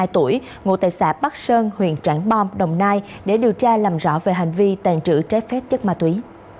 ba mươi tuổi ngụ tại xã bắc sơn huyện trảng bom đồng nai để điều tra làm rõ về hành vi tàn trữ trái phép chất ma túy